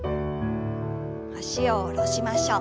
脚を下ろしましょう。